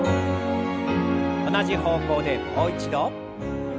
同じ方向でもう一度。